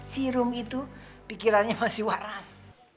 si rum itu pikirannya masih waras